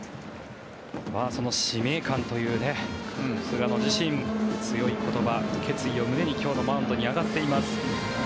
その使命感という菅野自身、強い言葉、決意を胸に今日のマウンドに上がっています。